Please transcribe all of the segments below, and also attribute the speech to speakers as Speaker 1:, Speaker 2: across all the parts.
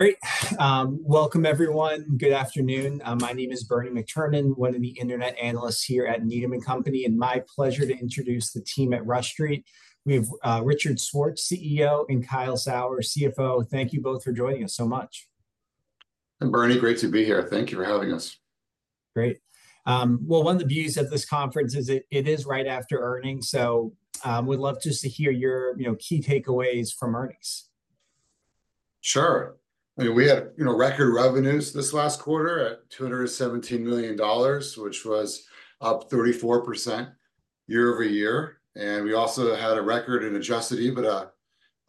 Speaker 1: Great. Welcome everyone. Good afternoon. My name is Bernie McTernan, one of the Internet analysts here at Needham & Company, and my pleasure to introduce the team at Rush Street. We have, Richard Schwartz, CEO, and Kyle Sauers, CFO. Thank you both for joining us so much.
Speaker 2: Hi, Bernie, great to be here. Thank you for having us.
Speaker 1: Great. Well, one of the beauties of this conference is it, it is right after earnings, so we'd love just to hear your, you know, key takeaways from earnings.
Speaker 2: Sure. I mean, we had, you know, record revenues this last quarter at $217 million, which was up 34% year-over-year, and we also had a record in Adjusted EBITDA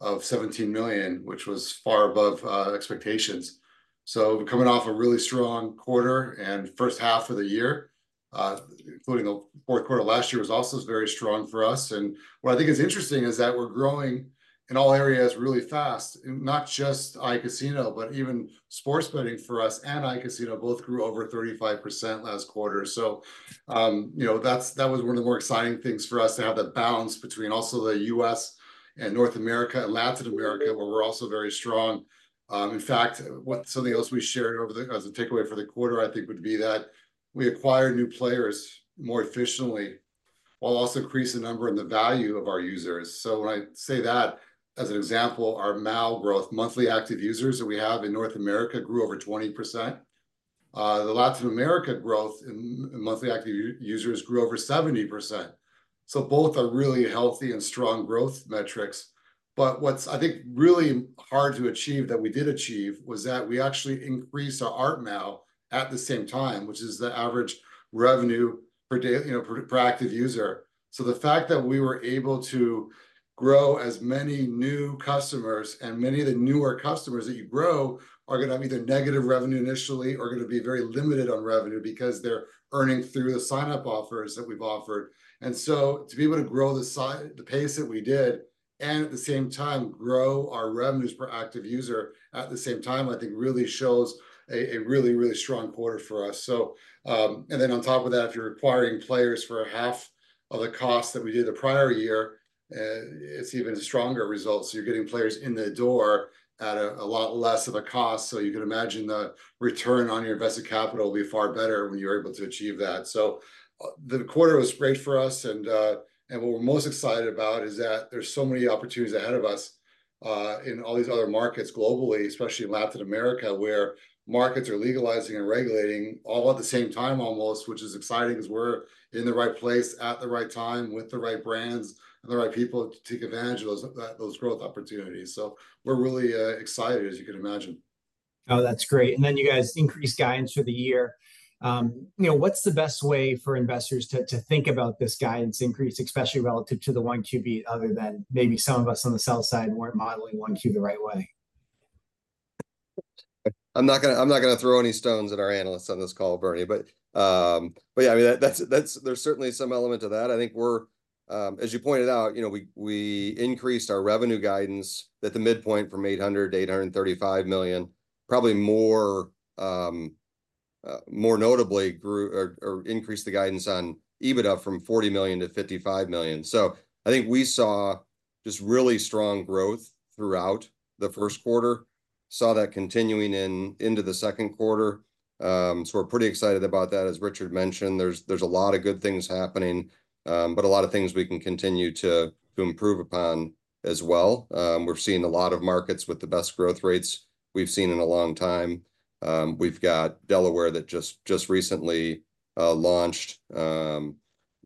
Speaker 2: of $17 million, which was far above expectations. So we're coming off a really strong quarter and first half of the year. Including the fourth quarter of last year was also very strong for us, and what I think is interesting is that we're growing in all areas really fast, and not just iCasino, but even sports betting for us and iCasino both grew over 35% last quarter. So, you know, that was one of the more exciting things for us, to have that balance between also the U.S. and North America and Latin America, where we're also very strong. In fact, something else we shared over the... As a takeaway for the quarter, I think would be that we acquire new players more efficiently, while also increase the number and the value of our users. So when I say that, as an example, our MAU growth, monthly active users that we have in North America, grew over 20%. The Latin America growth in monthly active users grew over 70%. So both are really healthy and strong growth metrics, but what's, I think, really hard to achieve, that we did achieve, was that we actually increased our ARPMAU at the same time, which is the average revenue per, you know, per active user. The fact that we were able to grow as many new customers, and many of the newer customers that you grow are gonna have either negative revenue initially, or are gonna be very limited on revenue, because they're earning through the sign-up offers that we've offered. So to be able to grow the pace that we did, and at the same time grow our revenues per active user at the same time, I think really shows a really strong quarter for us. And then on top of that, if you're acquiring players for half of the cost that we did the prior year, it's an even stronger result. So you're getting players in the door at a lot less of a cost, so you can imagine the return on your invested capital will be far better when you're able to achieve that. So, the quarter was great for us, and what we're most excited about is that there's so many opportunities ahead of us in all these other markets globally, especially in Latin America, where markets are legalizing and regulating all at the same time almost, which is exciting, 'cause we're in the right place at the right time with the right brands and the right people to take advantage of those growth opportunities. So we're really excited, as you can imagine.
Speaker 1: Oh, that's great. And then you guys increased guidance for the year. You know, what's the best way for investors to, to think about this guidance increase, especially relative to the 1Q beat, other than maybe some of us on the sell-side weren't modeling 1Q the right way?
Speaker 3: I'm not gonna throw any stones at our analysts on this call, Bernie, but yeah, I mean, that's. There's certainly some element to that. I think we're, as you pointed out, you know, we increased our revenue guidance at the midpoint from $800 million-$835 million. Probably more notably, increased the guidance on EBITDA from $40 million-$55 million. So I think we saw just really strong growth throughout the first quarter. Saw that continuing into the second quarter. So we're pretty excited about that, as Richard mentioned. There's a lot of good things happening, but a lot of things we can continue to improve upon as well. We're seeing a lot of markets with the best growth rates we've seen in a long time. We've got Delaware that just recently launched.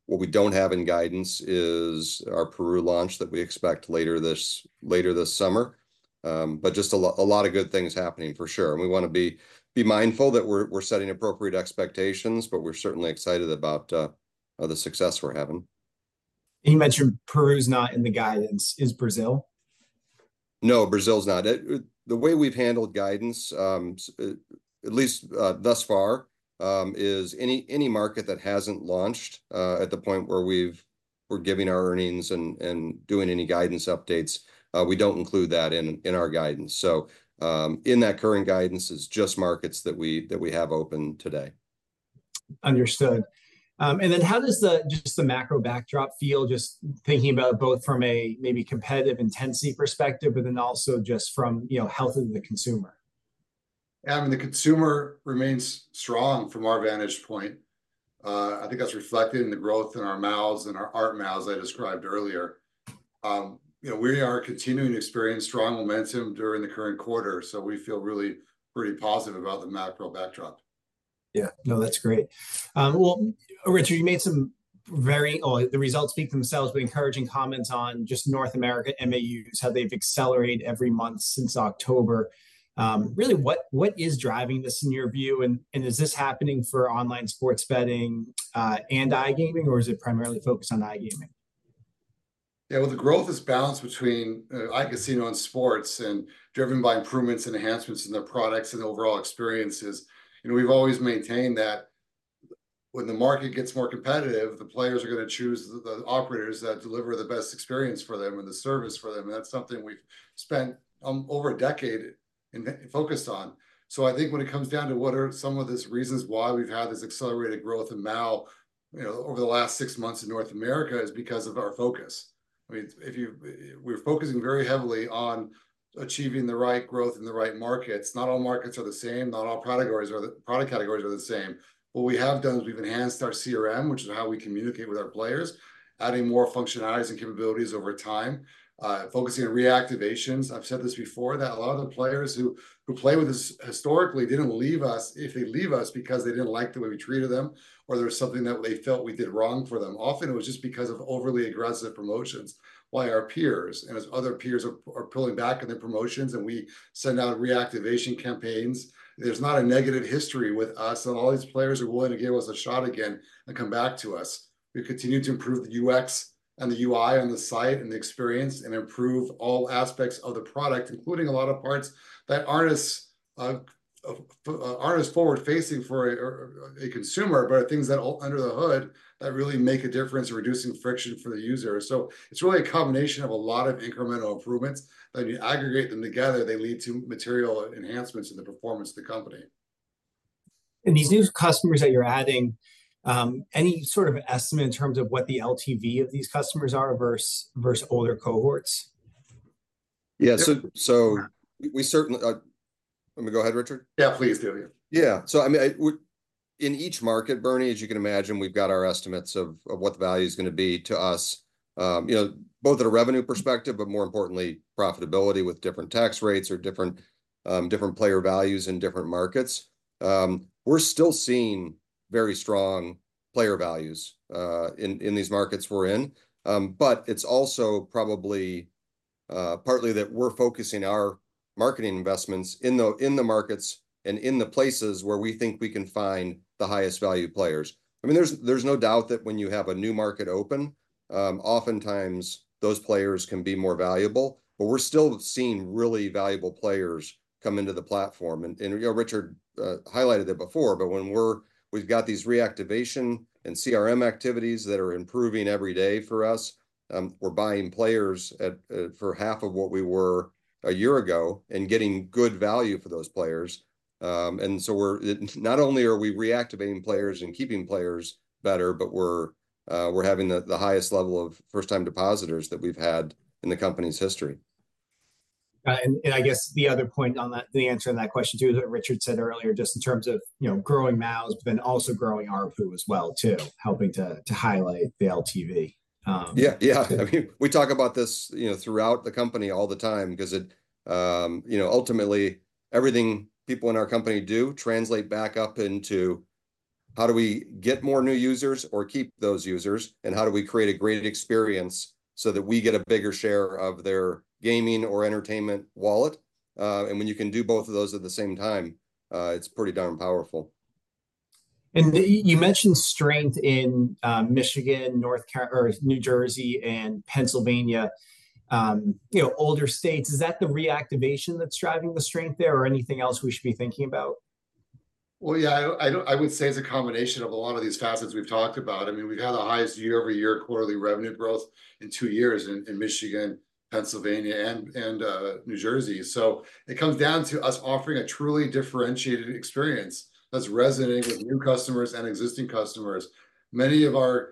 Speaker 3: What we don't have in guidance is our Peru launch that we expect later this summer. But just a lot of good things happening, for sure, and we wanna be mindful that we're setting appropriate expectations, but we're certainly excited about the success we're having.
Speaker 1: You mentioned Peru's not in the guidance. Is Brazil?
Speaker 3: No, Brazil's not. It's the way we've handled guidance, at least thus far, is any, any market that hasn't launched, at the point where we're giving our earnings and doing any guidance updates, we don't include that in our guidance. So, in that current guidance is just markets that we have open today.
Speaker 1: Understood. And then how does the, just the macro backdrop feel, just thinking about it both from a maybe competitive intensity perspective, but then also just from, you know, health of the consumer?
Speaker 2: Yeah, I mean, the consumer remains strong from our vantage point. I think that's reflected in the growth in our MAUs and our ARPMAUs I described earlier. You know, we are continuing to experience strong momentum during the current quarter, so we feel really pretty positive about the macro backdrop.
Speaker 1: Yeah. No, that's great. Well, Richard, you made some very... oh, the results speak for themselves, but encouraging comments on just North America MAUs, how they've accelerated every month since October. Really, what is driving this in your view, and is this happening for online sports betting and iGaming, or is it primarily focused on iGaming?
Speaker 2: Yeah, well, the growth is balanced between iCasino and sports, and driven by improvements and enhancements in the products and overall experiences. You know, we've always maintained that when the market gets more competitive, the players are gonna choose the operators that deliver the best experience for them and the service for them, and that's something we've spent over a decade focused on. So I think when it comes down to what are some of the reasons why we've had this accelerated growth in MAU, you know, over the last six months in North America, is because of our focus. I mean, we're focusing very heavily on achieving the right growth in the right markets. Not all markets are the same, not all product categories are the same. What we have done is we've enhanced our CRM, which is how we communicate with our players, adding more functionalities and capabilities over time, focusing on reactivations. I've said this before, that a lot of the players who played with us historically, they don't leave us. If they leave us because they didn't like the way we treated them, or there was something that they felt we did wrong for them. Often, it was just because of overly aggressive promotions by our peers. And as other peers are pulling back on their promotions and we send out reactivation campaigns, there's not a negative history with us, and all these players are willing to give us a shot again and come back to us. We continue to improve the UX and the UI on the site, and the experience, and improve all aspects of the product, including a lot of parts that aren't as forward-facing for a consumer, but are things that are under the hood that really make a difference in reducing friction for the user. So it's really a combination of a lot of incremental improvements, that when you aggregate them together, they lead to material enhancements in the performance of the company.
Speaker 1: These new customers that you're adding, any sort of estimate in terms of what the LTV of these customers are, versus older cohorts?
Speaker 3: Yeah, so-
Speaker 2: Yeah.
Speaker 3: So we certainly want me to go ahead, Richard?
Speaker 2: Yeah, please do, yeah.
Speaker 3: Yeah. So I mean, we in each market, Bernie, as you can imagine, we've got our estimates of what the value's gonna be to us, you know, both at a revenue perspective, but more importantly, profitability, with different tax rates or different player values in different markets. We're still seeing very strong player values in these markets we're in. But it's also probably partly that we're focusing our marketing investments in the markets and in the places where we think we can find the highest value players. I mean, there's no doubt that when you have a new market open, oftentimes those players can be more valuable, but we're still seeing really valuable players come into the platform. You know, Richard highlighted it before, but when we've got these reactivation and CRM activities that are improving every day for us, we're buying players for half of what we were a year ago, and getting good value for those players. And so we're not only reactivating players and keeping players better, but we're having the highest level of first-time depositors that we've had in the company's history.
Speaker 1: and I guess the other point on that, the answer to that question, too, that Richard said earlier, just in terms of, you know, growing MAUs, but then also growing ARPU as well, too, helping to highlight the LTV.
Speaker 3: Yeah, yeah. I mean, we talk about this, you know, throughout the company all the time because it, you know, ultimately, everything people in our company do translate back up into, how do we get more new users or keep those users? And how do we create a great experience so that we get a bigger share of their gaming or entertainment wallet? And when you can do both of those at the same time, it's pretty darn powerful.
Speaker 1: You mentioned strength in Michigan, North Carolina or New Jersey and Pennsylvania, you know, older states. Is that the reactivation that's driving the strength there, or anything else we should be thinking about?
Speaker 2: Well, yeah, I would say it's a combination of a lot of these facets we've talked about. I mean, we've had the highest year-over-year quarterly revenue growth in two years in Michigan, Pennsylvania, and New Jersey. So it comes down to us offering a truly differentiated experience that's resonating with new customers and existing customers. Many of our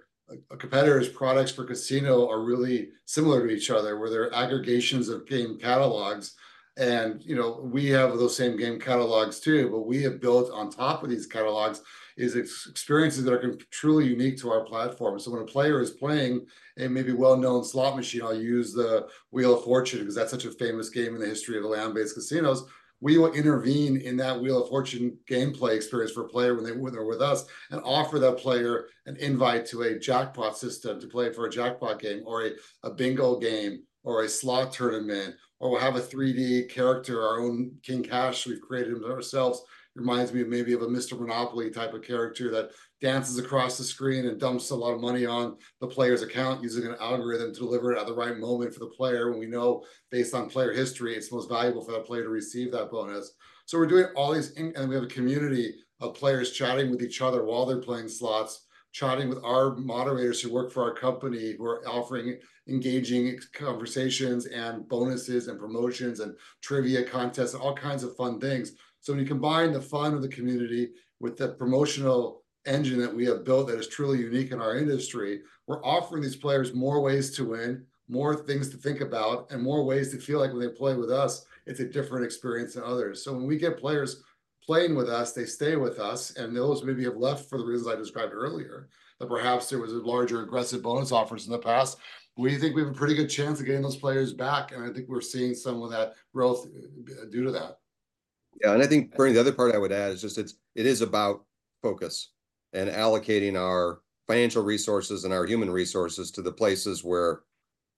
Speaker 2: competitors' products for casino are really similar to each other, where they're aggregations of game catalogs. And, you know, we have those same game catalogs, too, but we have built on top of these catalogs experiences that are truly unique to our platform. So when a player is playing a maybe well-known slot machine, I'll use the Wheel of Fortune, because that's such a famous game in the history of the land-based casinos. We will intervene in that Wheel of Fortune gameplay experience for a player when they're with us, and offer that player an invite to a jackpot system to play for a jackpot game, or a bingo game, or a slot tournament, or we'll have a 3D character, our own King Cash. We've created him ourselves. Reminds me of maybe a Mr. Monopoly type of character that dances across the screen and dumps a lot of money on the player's account, using an algorithm to deliver it at the right moment for the player, when we know, based on player history, it's most valuable for that player to receive that bonus. So we're doing all these in- and we have a community of players chatting with each other while they're playing slots, chatting with our moderators who work for our company, who are offering engaging conversations, and bonuses, and promotions, and trivia contests, all kinds of fun things. So when you combine the fun of the community with the promotional engine that we have built, that is truly unique in our industry, we're offering these players more ways to win, more things to think about, and more ways to feel like when they play with us, it's a different experience than others. So when we get players playing with us, they stay with us, and those who maybe have left for the reasons I described earlier, that perhaps there was a larger aggressive bonus offers in the past, we think we have a pretty good chance of getting those players back, and I think we're seeing some of that growth due to that.
Speaker 3: Yeah, and I think, Bernie, the other part I would add is just it's, it is about focus and allocating our financial resources and our human resources to the places where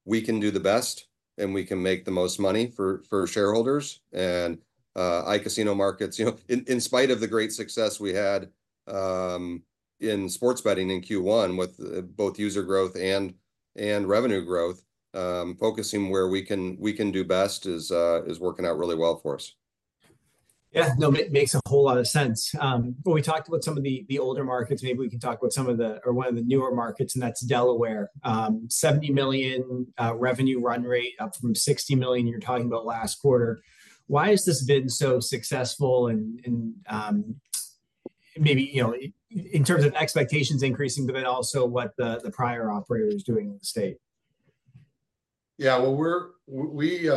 Speaker 3: we can do the best, and we can make the most money for, for shareholders. And iCasino markets, you know, in spite of the great success we had in sports betting in Q1, with both user growth and revenue growth, focusing where we can do best is working out really well for us.
Speaker 1: Yeah, no, it makes a whole lot of sense. Well, we talked about some of the older markets. Maybe we can talk about some of the, or one of the newer markets, and that's Delaware. $70 million revenue run rate, up from $60 million you were talking about last quarter. Why has this been so successful, and maybe, you know, in terms of expectations increasing, but then also what the prior operator is doing in the state?
Speaker 2: Yeah, well, we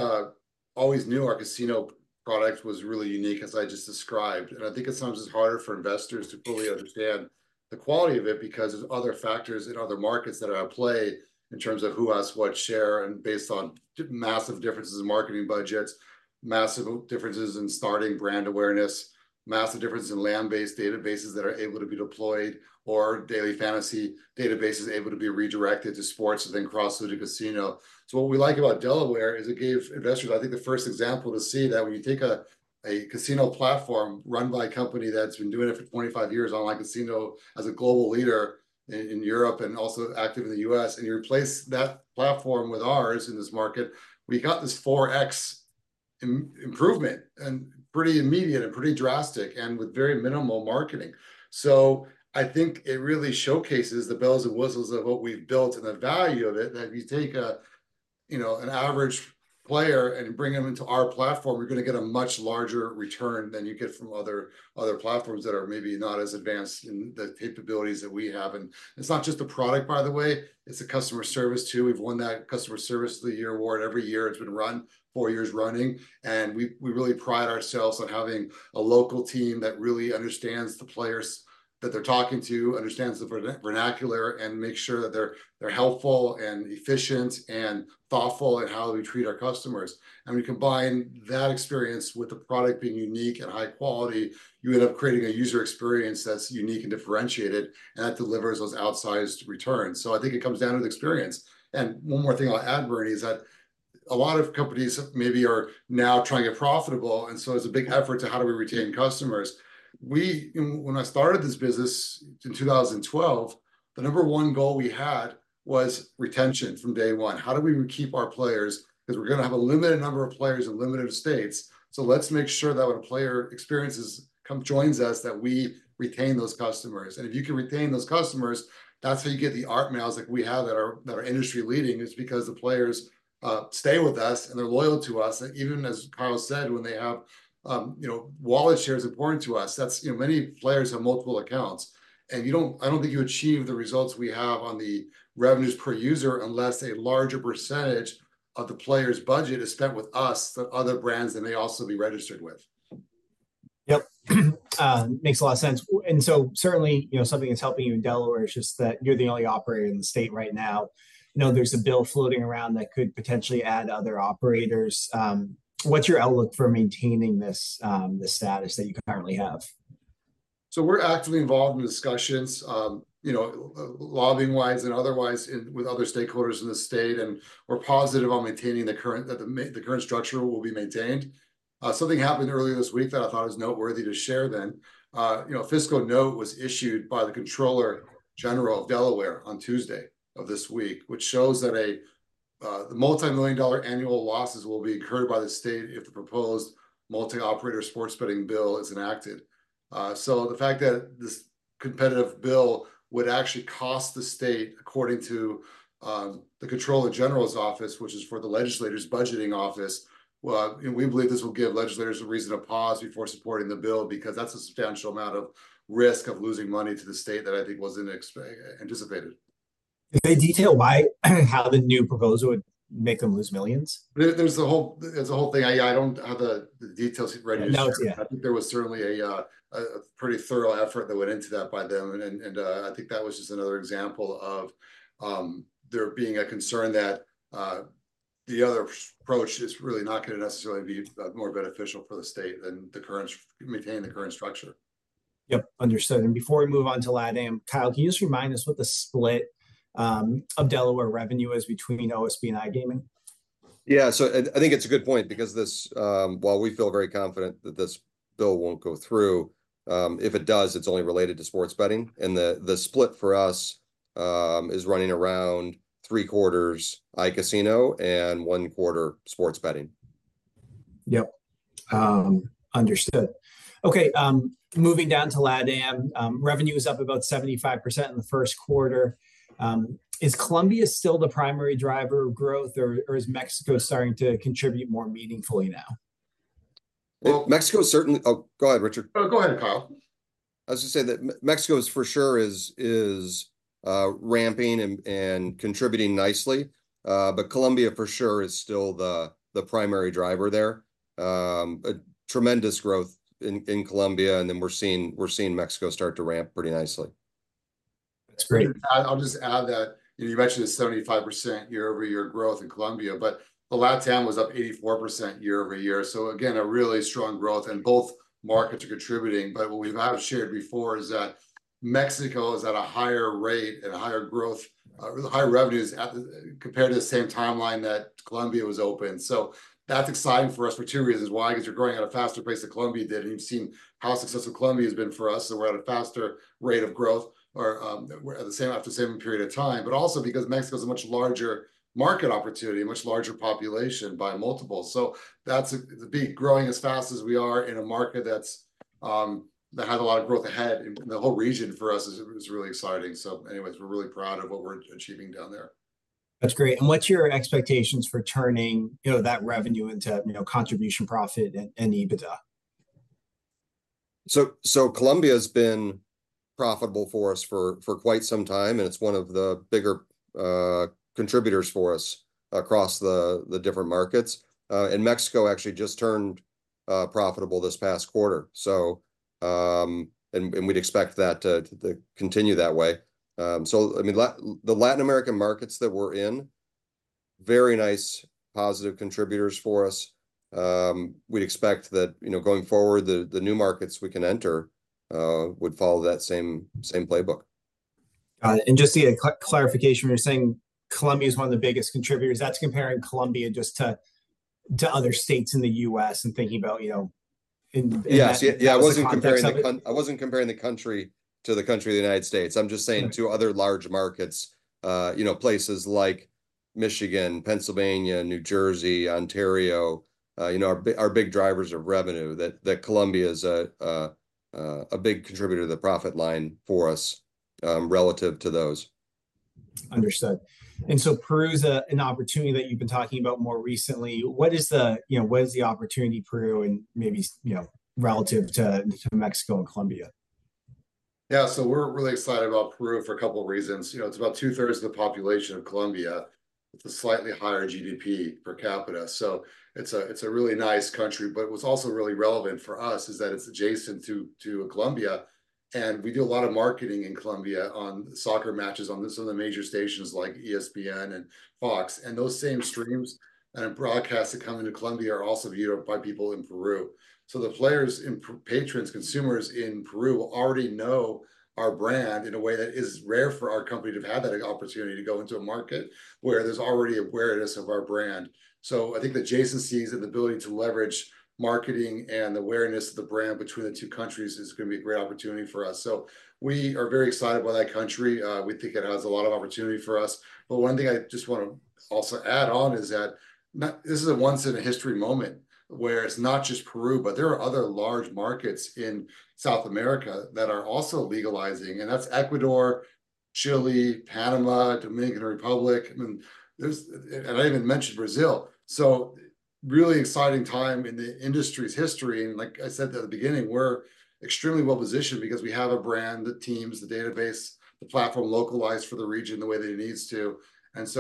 Speaker 2: always knew our casino product was really unique, as I just described. And I think at times it's harder for investors to fully understand the quality of it because of other factors in other markets that are at play in terms of who has what share, and based on massive differences in marketing budgets, massive differences in starting brand awareness, massive differences in land-based databases that are able to be deployed, or daily fantasy databases able to be redirected to sports and then cross through to casino. So what we like about Delaware is it gave investors, I think, the first example to see that when you take a, a casino platform run by a company that's been doing it for 25 years, online casino, as a global leader in, in Europe and also active in the U.S., and you replace that platform with ours in this market, we got this 4x improvement, and pretty immediate and pretty drastic, and with very minimal marketing. So I think it really showcases the bells and whistles of what we've built and the value of it, that if you take a, you know, an average player and bring them into our platform, you're gonna get a much larger return than you get from other, other platforms that are maybe not as advanced in the capabilities that we have. And it's not just the product, by the way, it's the customer service, too. We've won that Customer Service of the Year award every year it's been run, four years running. And we really pride ourselves on having a local team that really understands the players that they're talking to, understands the vernacular, and makes sure that they're helpful, and efficient, and thoughtful in how we treat our customers. And we combine that experience with the product being unique and high quality, you end up creating a user experience that's unique and differentiated, and that delivers those outsized returns. So I think it comes down to the experience. And one more thing I'll add, Bernie, is that a lot of companies maybe are now trying to get profitable, and so it's a big effort to how do we retain customers? When I started this business in 2012, the number one goal we had was retention from day one. How do we keep our players? 'Cause we're gonna have a limited number of players in limited states, so let's make sure that when a player experiences, joins us, that we retain those customers. And if you can retain those customers, that's how you get the ARPMAUs like we have that are industry-leading, is because the players stay with us and they're loyal to us. Even as Kyle said, when they have, you know, wallet share is important to us. That's, you know, many players have multiple accounts, and you don't- I don't think you achieve the results we have on the revenues per user, unless a larger percentage of the player's budget is spent with us than other brands they may also be registered with.
Speaker 1: Yep, makes a lot of sense. And so certainly, you know, something that's helping you in Delaware is just that you're the only operator in the state right now. I know there's a bill floating around that could potentially add other operators. What's your outlook for maintaining this, this status that you currently have?
Speaker 2: We're actively involved in discussions, you know, lobbying-wise and otherwise with other stakeholders in the state, and we're positive on maintaining the current, that the current structure will be maintained. Something happened earlier this week that I thought was noteworthy to share. You know, a fiscal note was issued by the Controller General of Delaware on Tuesday of this week, which shows that multimillion-dollar annual losses will be incurred by the state if the proposed multi-operator sports betting bill is enacted. So the fact that this competitive bill would actually cost the state, according to the Controller General's office, which is for the legislators' budgeting office, we believe this will give legislators a reason to pause before supporting the bill, because that's a substantial amount of risk of losing money to the state that I think wasn't anticipated.
Speaker 1: Did they detail why, how the new proposal would make them lose millions?
Speaker 2: There's a whole thing. I don't have the details ready.
Speaker 1: No, yeah.
Speaker 2: I think there was certainly a pretty thorough effort that went into that by them. I think that was just another example of there being a concern that the other approach is really not gonna necessarily be more beneficial for the state than maintaining the current structure.
Speaker 1: Yep, understood. And before we move on to LatAm, Kyle, can you just remind us what the split of Delaware revenue is between OSB and iGaming?
Speaker 3: Yeah, so I think it's a good point because this, while we feel very confident that this bill won't go through, if it does, it's only related to sports betting. And the split for us is running around three quarters iCasino and one quarter sports betting.
Speaker 1: Yep, understood. Okay, moving down to LatAm, revenue is up about 75% in the first quarter. Is Colombia still the primary driver of growth, or, or is Mexico starting to contribute more meaningfully now?
Speaker 3: Well- Mexico is certainly... Oh, go ahead, Richard.
Speaker 2: Oh, go ahead, Kyle.
Speaker 3: I was just going to say that Mexico is for sure ramping and contributing nicely. But Colombia for sure is still the primary driver there. A tremendous growth in Colombia, and then we're seeing Mexico start to ramp pretty nicely.
Speaker 1: That's great.
Speaker 2: I'll just add that, you know, you mentioned the 75% year-over-year growth in Colombia, but the LatAm was up 84% year-over-year. So again, a really strong growth, and both markets are contributing. But what we've not shared before is that Mexico is at a higher rate and a higher growth, higher revenues at the, compared to the same timeline that Colombia was open. So that's exciting for us for two reasons. Why? 'Cause you're growing at a faster pace than Colombia did, and you've seen how successful Colombia has been for us, so we're at a faster rate of growth. Or, we're at the same, after the same period of time, but also because Mexico is a much larger market opportunity, a much larger population by multiples. So that's growing as fast as we are in a market that's that has a lot of growth ahead in the whole region for us is really exciting. So anyways, we're really proud of what we're achieving down there....
Speaker 1: That's great. And what's your expectations for turning, you know, that revenue into, you know, contribution profit and EBITDA?
Speaker 3: So Colombia's been profitable for us for quite some time, and it's one of the bigger contributors for us across the different markets. And Mexico actually just turned profitable this past quarter, so. And we'd expect that to continue that way. So I mean, the Latin American markets that we're in, very nice, positive contributors for us. We'd expect that, you know, going forward, the new markets we can enter would follow that same playbook.
Speaker 1: And just to get a clarification, you're saying Colombia is one of the biggest contributors. That's comparing Colombia just to other states in the U.S. and thinking about, you know, in that-
Speaker 3: Yes.
Speaker 1: As a context of it?
Speaker 3: Yeah, I wasn't comparing the country to the country of the United States.
Speaker 1: Right.
Speaker 3: I'm just saying to other large markets, you know, places like Michigan, Pennsylvania, New Jersey, Ontario, you know, are big drivers of revenue, that, that Colombia is a big contributor to the profit line for us, relative to those.
Speaker 1: Understood. And so Peru's an opportunity that you've been talking about more recently. What is the opportunity in Peru, you know, and maybe you know, relative to Mexico and Colombia?
Speaker 3: Yeah, so we're really excited about Peru for a couple reasons. You know, it's about two-thirds of the population of Colombia with a slightly higher GDP per capita. So it's a really nice country, but what's also really relevant for us is that it's adjacent to Colombia, and we do a lot of marketing in Colombia on soccer matches on some of the major stations like ESPN and Fox. And those same streams and broadcasts that come into Colombia are also viewed by people in Peru. So the patrons, consumers in Peru already know our brand in a way that is rare for our company to have had that opportunity to go into a market where there's already awareness of our brand. So I think the adjacencies and the ability to leverage marketing and awareness of the brand between the two countries is gonna be a great opportunity for us. So we are very excited about that country. We think it has a lot of opportunity for us. But one thing I just want to also add on is that, this is a once-in-a-history moment, where it's not just Peru, but there are other large markets in South America that are also legalizing, and that's Ecuador, Chile, Panama, Dominican Republic. I mean, there's. And I even mentioned Brazil. So really exciting time in the industry's history, and like I said at the beginning, we're extremely well-positioned because we have a brand, the teams, the database, the platform localized for the region the way that it needs to.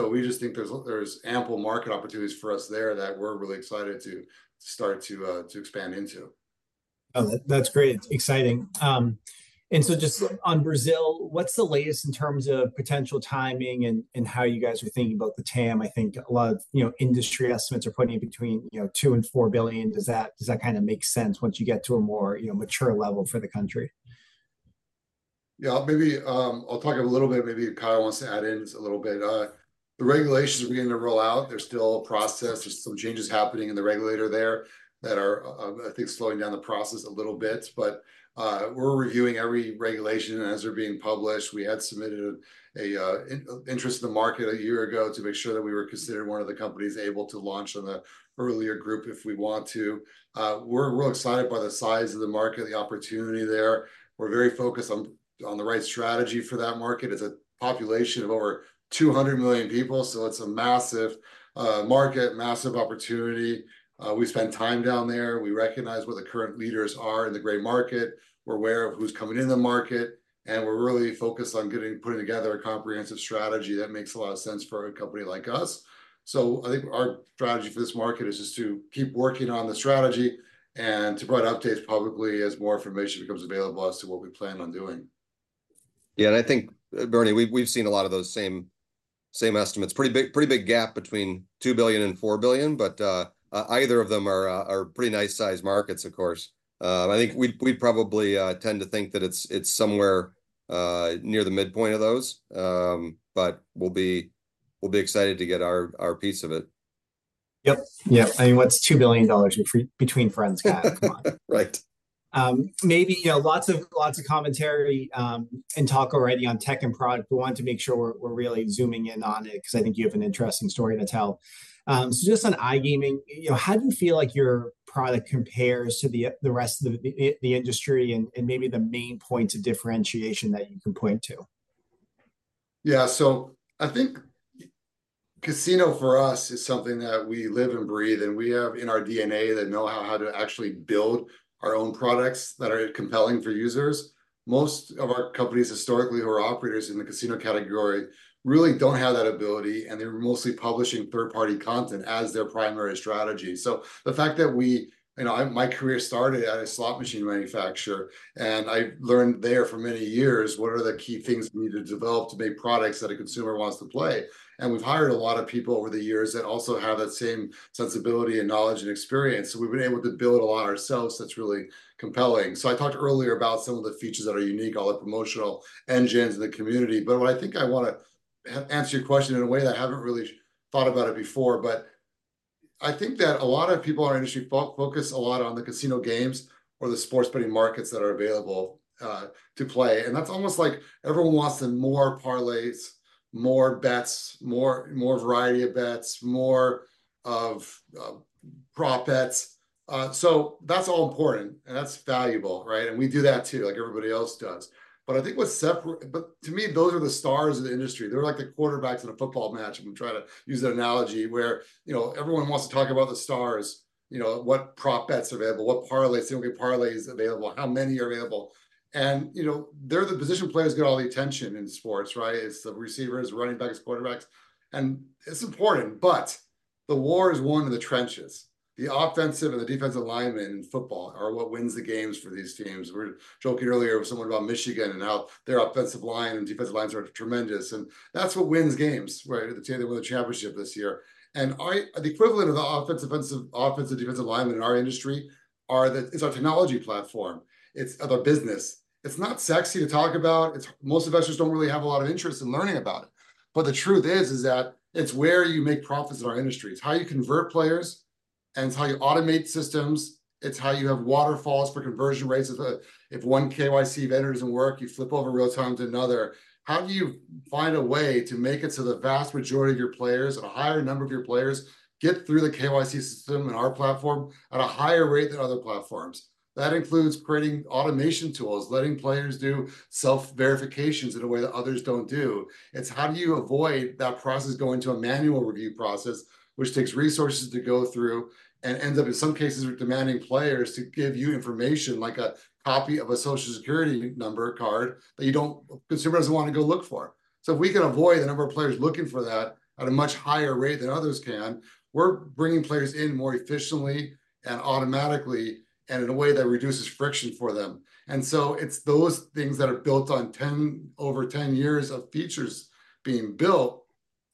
Speaker 3: We just think there's ample market opportunities for us there that we're really excited to start to expand into.
Speaker 1: Oh, that, that's great. It's exciting. And so just on Brazil, what's the latest in terms of potential timing and, and how you guys are thinking about the TAM? I think a lot of, you know, industry estimates are putting it between, you know, $2 billion-$4 billion. Does that, does that kind of make sense once you get to a more, you know, mature level for the country?
Speaker 2: Yeah, maybe, I'll talk a little bit. Maybe Kyle wants to add in just a little bit. The regulations are beginning to roll out. There's still a process. There's some changes happening in the regulator there that are, I think, slowing down the process a little bit, but we're reviewing every regulation as they're being published. We had submitted an interest in the market a year ago to make sure that we were considered one of the companies able to launch in the earlier group if we want to. We're real excited by the size of the market, the opportunity there. We're very focused on the right strategy for that market. It's a population of over 200 million people, so it's a massive market, massive opportunity. We spent time down there. We recognize what the current leaders are in the gray market. We're aware of who's coming in the market, and we're really focused on putting together a comprehensive strategy that makes a lot of sense for a company like us. So I think our strategy for this market is just to keep working on the strategy and to provide updates publicly as more information becomes available as to what we plan on doing.
Speaker 3: Yeah, and I think, Bernie, we've seen a lot of those same estimates. Pretty big gap between $2 billion and $4 billion, but either of them are pretty nice-sized markets, of course. I think we probably tend to think that it's somewhere near the midpoint of those. But we'll be excited to get our piece of it.
Speaker 1: Yep, yep. I mean, what's $2 billion between friends, Kyle? Come on.
Speaker 3: Right.
Speaker 1: Maybe, you know, lots of, lots of commentary and talk already on tech and product, but we wanted to make sure we're really zooming in on it, 'cause I think you have an interesting story to tell. So just on iGaming, you know, how do you feel like your product compares to the rest of the industry and maybe the main points of differentiation that you can point to?
Speaker 2: Yeah, so I think casino, for us, is something that we live and breathe, and we have in our DNA the know-how how to actually build our own products that are compelling for users. Most of our companies, historically, who are operators in the casino category, really don't have that ability, and they're mostly publishing third-party content as their primary strategy. So the fact that we... You know, I, my career started at a slot machine manufacturer, and I learned there for many years what are the key things we need to develop to make products that a consumer wants to play. And we've hired a lot of people over the years that also have that same sensibility and knowledge and experience, so we've been able to build a lot ourselves that's really compelling. So I talked earlier about some of the features that are unique, all the promotional engines in the community, but what I think I want to answer your question in a way that I haven't really thought about it before, but I think that a lot of people in our industry focus a lot on the casino games or the sports betting markets that are available to play. And that's almost like everyone wants more parlays, more bets, more, more variety of bets, more of prop bets. So that's all important, and that's valuable, right? And we do that, too, like everybody else does. But I think what but to me, those are the stars of the industry. They're like the quarterbacks in a football match. I'm gonna try to use that analogy where, you know, everyone wants to talk about the stars. You know, what prop bets are available, what parlays, the okay parlays available, how many are available? And, you know, they're the position players get all the attention in sports, right? It's the receivers, running backs, quarterbacks, and it's important, but the war is won in the trenches. The offensive and the defensive linemen in football are what wins the games for these teams. We were joking earlier with someone about Michigan and how their offensive line and defensive lines are tremendous, and that's what wins games, right? They won the championship this year. And I—the equivalent of the offense, offensive, offensive, defensive lineman in our industry are the, is our technology platform. It's of our business. It's not sexy to talk about. It's most investors don't really have a lot of interest in learning about it, but the truth is, is that it's where you make profits in our industry. It's how you convert players, and it's how you automate systems. It's how you have waterfalls for conversion rates. If, if one KYC vendor doesn't work, you flip over real-time to another. How do you find a way to make it so the vast majority of your players and a higher number of your players get through the KYC system in our platform at a higher rate than other platforms? That includes creating automation tools, letting players do self-verifications in a way that others don't do. It's how do you avoid that process going to a manual review process, which takes resources to go through and ends up, in some cases, demanding players to give you information, like a copy of a Social Security number card, that you don't, consumer doesn't want to go look for. So if we can avoid the number of players looking for that at a much higher rate than others can, we're bringing players in more efficiently and automatically and in a way that reduces friction for them. And so it's those things that are built on 10, over 10 years of features being built.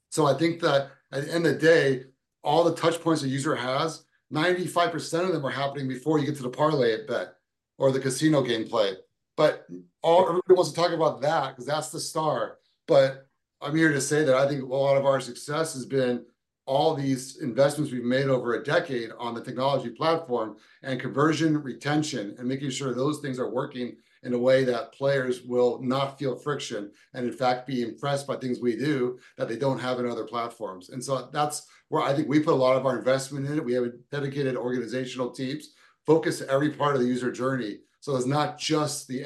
Speaker 2: So I think that at the end of the day, all the touch points a user has, 95% of them are happening before you get to the parlay bet or the casino gameplay. But all, everybody wants to talk about that, 'cause that's the star. But I'm here to say that I think a lot of our success has been all these investments we've made over a decade on the technology platform and conversion, retention, and making sure those things are working in a way that players will not feel friction, and in fact, be impressed by things we do that they don't have in other platforms. And so that's where I think we put a lot of our investment in it. We have dedicated organizational teams focused on every part of the user journey, so it's not just the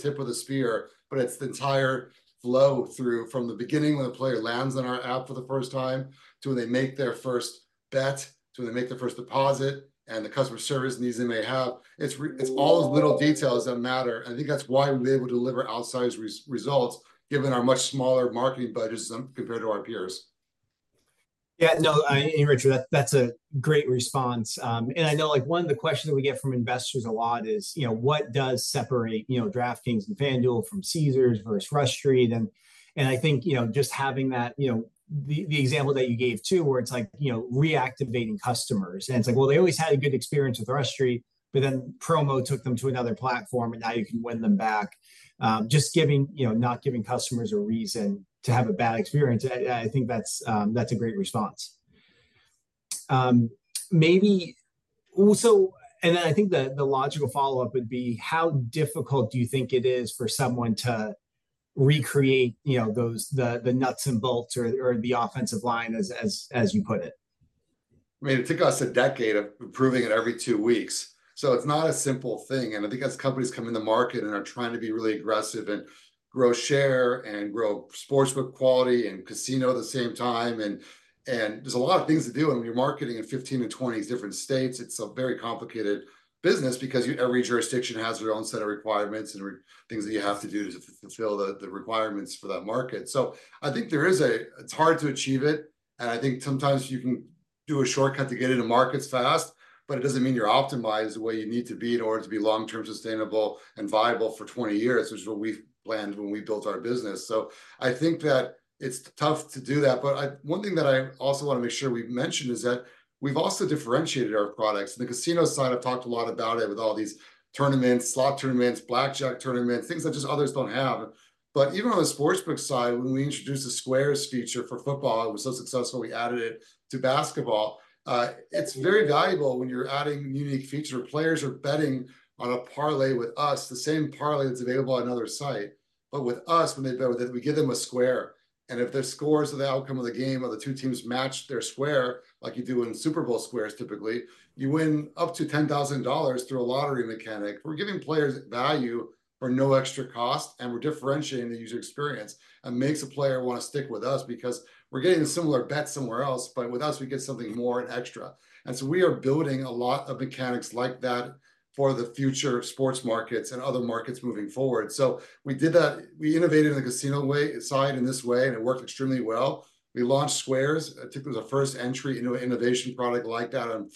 Speaker 2: tip of the spear, but it's the entire flow through from the beginning, when a player lands on our app for the first time, to when they make their first bet, to when they make their first deposit, and the customer service needs they may have. It's all the little details that matter, and I think that's why we've been able to deliver outsized results, given our much smaller marketing budgets compared to our peers.
Speaker 1: Yeah, no, and Richard, that's a great response. And I know, like, one of the questions we get from investors a lot is, you know, what does separate, you know, DraftKings and FanDuel from Caesars versus Rush Street? And I think, you know, just having that, you know, the example that you gave, too, where it's like, you know, reactivating customers, and it's like, well, they always had a good experience with Rush Street, but then Promo took them to another platform, and now you can win them back. Just giving, you know, not giving customers a reason to have a bad experience. I think that's a great response. Maybe also, and then I think the, the logical follow-up would be: How difficult do you think it is for someone to recreate, you know, those, the, the nuts and bolts or, or the offensive line, as, as, as you put it?
Speaker 2: I mean, it took us a decade of improving it every two weeks, so it's not a simple thing. I think as companies come in the market and are trying to be really aggressive and grow share and grow sportsbook quality and casino at the same time, and there's a lot of things to do when you're marketing in 15-20 different states. It's a very complicated business because you every jurisdiction has their own set of requirements and things that you have to do to fulfill the requirements for that market. So I think there is a... It's hard to achieve it, and I think sometimes you can do a shortcut to get into markets fast, but it doesn't mean you're optimized the way you need to be in order to be long-term sustainable and viable for 20 years, which is what we planned when we built our business. So I think that it's tough to do that. But one thing that I also want to make sure we've mentioned is that we've also differentiated our products. The casino side, I've talked a lot about it with all these tournaments, slot tournaments, blackjack tournaments, things that just others don't have. But even on the sportsbook side, when we introduced the Squares feature for football, it was so successful we added it to basketball. It's very valuable when you're adding unique feature. Players are betting on a parlay with us, the same parlay that's available on another site. But with us, when they bet with it, we give them a square, and if their scores or the outcome of the game of the two teams match their square, like you do in Super Bowl squares, typically, you win up to $10,000 through a lottery mechanic. We're giving players value for no extra cost, and we're differentiating the user experience, and makes a player want to stick with us because we're getting similar bets somewhere else, but with us, we get something more and extra. And so we are building a lot of mechanics like that for the future sports markets and other markets moving forward. So we did that. We innovated in the casino way, side, in this way, and it worked extremely well. We launched Squares. I think it was the first entry into an innovation product like that on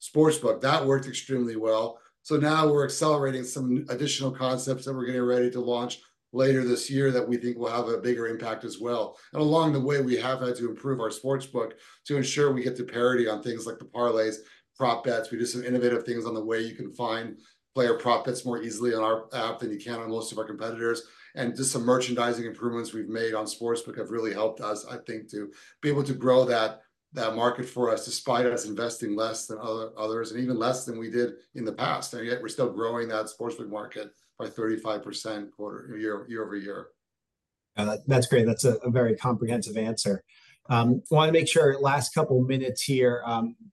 Speaker 2: sportsbook. That worked extremely well. So now we're accelerating some additional concepts that we're getting ready to launch later this year that we think will have a bigger impact as well. And along the way, we have had to improve our sportsbook to ensure we get to parity on things like the parlays, prop bets. We do some innovative things on the way you can find player prop bets more easily on our app than you can on most of our competitors. And just some merchandising improvements we've made on sportsbook have really helped us, I think, to be able to grow that, that market for us, despite us investing less than other, others, and even less than we did in the past. And yet we're still growing that sportsbook market by 35% quarter-over-year, year-over-year....
Speaker 1: That's great. That's a very comprehensive answer. I wanna make sure, last couple minutes here,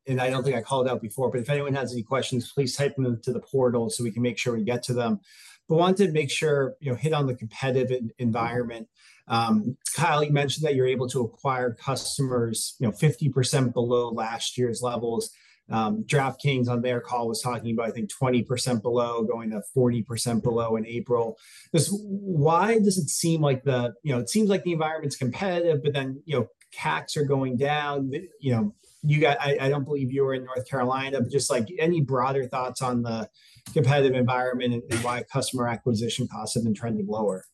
Speaker 1: and I don't think I called it out before, but if anyone has any questions, please type them into the portal so we can make sure we get to them. But wanted to make sure, you know, hit on the competitive environment. Kyle, you mentioned that you're able to acquire customers, you know, 50% below last year's levels. DraftKings on their call was talking about, I think, 20% below, going to 40% below in April. Just why does it seem like the... You know, it seems like the environment's competitive, but then, you know, CACs are going down. You know, I don't believe you were in North Carolina, but just, like, any broader thoughts on the competitive environment and why customer acquisition costs have been trending lower?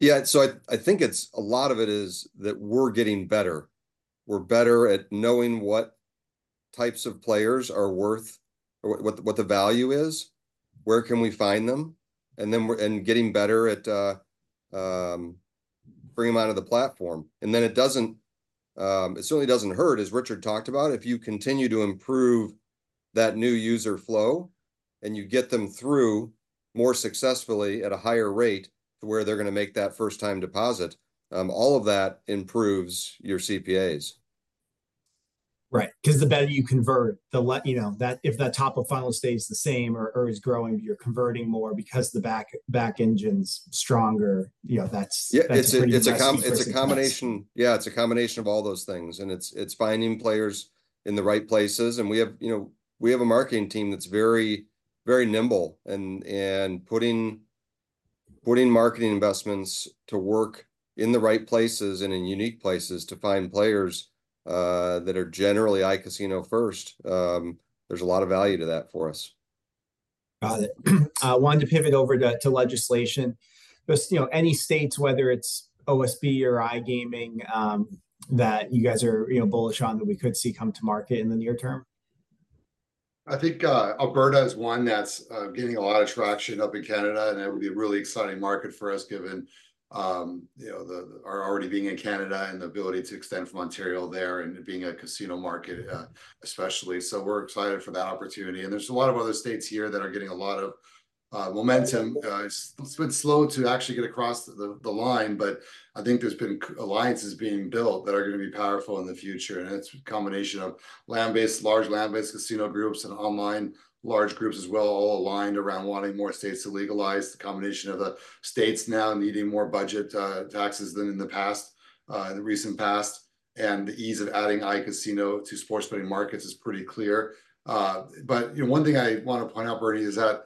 Speaker 3: Yeah, so I think it's a lot of it is that we're getting better. We're better at knowing what types of players are worth or what the value is, where can we find them, and then we're getting better at bringing them onto the platform. It certainly doesn't hurt, as Richard talked about, if you continue to improve that new user flow, and you get them through more successfully at a higher rate to where they're gonna make that first-time deposit. All of that improves your CPAs.
Speaker 1: Right, 'cause the better you convert, you know, that, if that top of funnel stays the same or, or is growing, you're converting more because the back, back engine's stronger. You know, that's-
Speaker 3: Yeah...
Speaker 1: That's a pretty impressive place.
Speaker 3: It's a combination of all those things, and it's finding players in the right places. And we have, you know, we have a marketing team that's very, very nimble in putting marketing investments to work in the right places and in unique places to find players that are generally iCasino first. There's a lot of value to that for us.
Speaker 1: Got it. I wanted to pivot over to, to legislation. Just, you know, any states, whether it's OSB or iGaming, that you guys are, you know, bullish on, that we could see come to market in the near term?
Speaker 2: I think, Alberta is one that's gaining a lot of traction up in Canada, and it would be a really exciting market for us, given, you know, the, our already being in Canada and the ability to extend from Ontario there, and it being a casino market, especially. So we're excited for that opportunity, and there's a lot of other states here that are getting a lot of momentum. It's been slow to actually get across the line, but I think there's been alliances being built that are gonna be powerful in the future, and it's a combination of land-based, large land-based casino groups and online large groups as well, all aligned around wanting more states to legalize. The combination of the states now needing more budget, taxes than in the past, the recent past, and the ease of adding iCasino to sports betting markets is pretty clear. But, you know, one thing I want to point out, Bernie, is that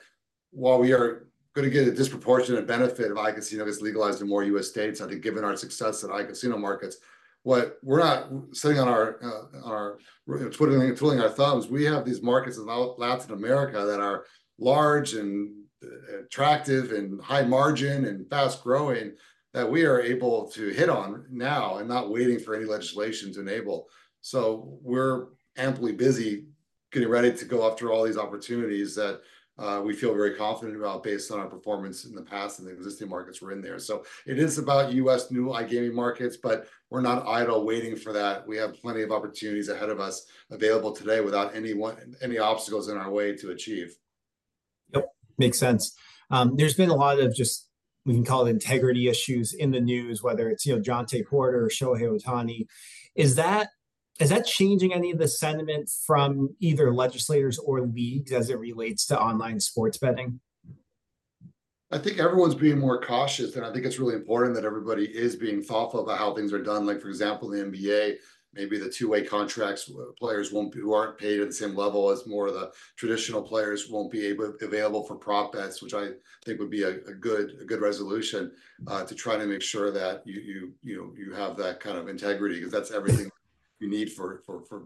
Speaker 2: while we are gonna get a disproportionate benefit of iCasino that's legalized in more U.S. states, I think given our success in iCasino markets, we're not sitting on our, our twiddling our thumbs. We have these markets in Latin America that are large, and attractive, and high-margin, and fast-growing, that we are able to hit on now and not waiting for any legislation to enable. So we're amply busy getting ready to go after all these opportunities that we feel very confident about based on our performance in the past and the existing markets we're in there. It is about U.S. new iGaming markets, but we're not idle waiting for that. We have plenty of opportunities ahead of us available today without anyone, any obstacles in our way to achieve.
Speaker 1: Yep, makes sense. There's been a lot of just, we can call it integrity issues, in the news, whether it's, you know, Ja'Marr Chase or Shohei Ohtani. Is that, is that changing any of the sentiment from either legislators or leagues as it relates to online sports betting?
Speaker 2: I think everyone's being more cautious, and I think it's really important that everybody is being thoughtful about how things are done. Like, for example, the NBA, maybe the two-way contracts, where players who aren't paid at the same level as more of the traditional players won't be available for prop bets, which I think would be a good resolution to try to make sure that you know you have that kind of integrity, 'cause that's everything you need for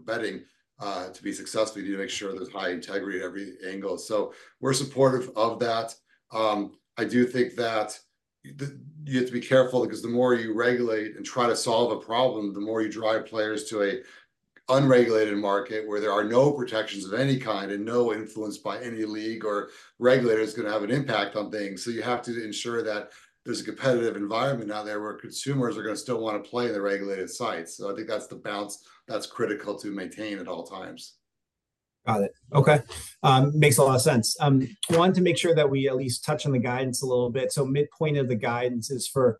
Speaker 2: betting to be successful. You need to make sure there's high integrity at every angle. So we're supportive of that. I do think that you have to be careful because the more you regulate and try to solve a problem, the more you drive players to an unregulated market, where there are no protections of any kind and no influence by any league or regulator who's gonna have an impact on things. So you have to ensure that there's a competitive environment out there, where consumers are gonna still wanna play in the regulated sites. So I think that's the balance that's critical to maintain at all times.
Speaker 1: Got it, okay. Makes a lot of sense. Wanted to make sure that we at least touch on the guidance a little bit. So midpoint of the guidance is for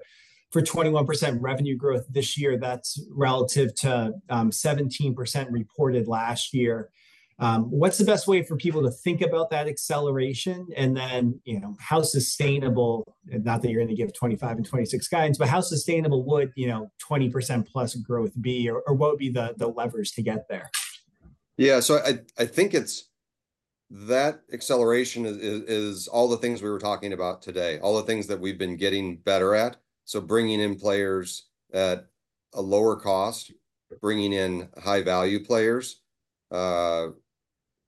Speaker 1: 21% revenue growth this year. That's relative to 17% reported last year. What's the best way for people to think about that acceleration, and then, you know, how sustainable, not that you're gonna give 2025 and 2026 guidance, but how sustainable would, you know, 20%+ growth be, or what would be the levers to get there?
Speaker 3: Yeah, so I think it's that acceleration is all the things we were talking about today, all the things that we've been getting better at. So bringing in players at a lower cost, bringing in high-value players,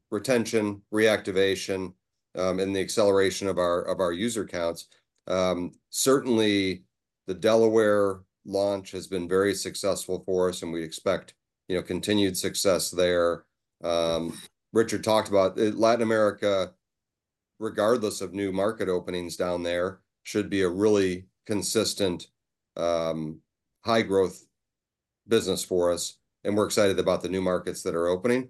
Speaker 3: retention, reactivation, and the acceleration of our user counts. Certainly, the Delaware launch has been very successful for us, and we expect, you know, continued success there. Richard talked about it. Latin America, regardless of new market openings down there, should be a really consistent high-growth business for us, and we're excited about the new markets that are opening.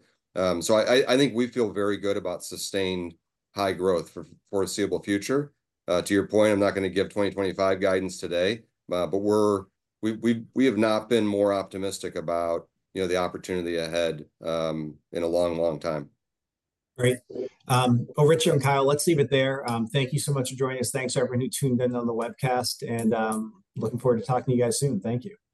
Speaker 3: So I think we feel very good about sustained high growth for the foreseeable future. To your point, I'm not gonna give 2025 guidance today, but we have not been more optimistic about, you know, the opportunity ahead, in a long, long time.
Speaker 1: Great. Well, Richard and Kyle, let's leave it there. Thank you so much for joining us. Thanks to everyone who tuned in on the webcast, and looking forward to talking to you guys soon. Thank you.
Speaker 3: Thanks.